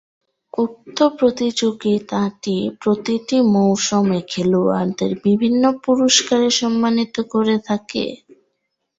উক্ত প্রতিযোগিতাটি প্রতিটি মৌসুমে খেলোয়াড়দের বিভিন্ন পুরস্কারে সম্মানিত করে থাকে।